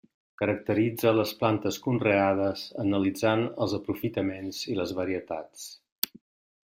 Caracteritza les plantes conreades, analitzant els aprofitaments i les varietats.